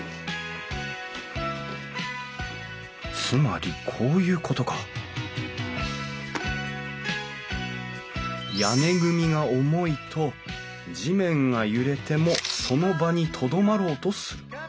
つまりこういうことか屋根組が重いと地面が揺れてもその場にとどまろうとする。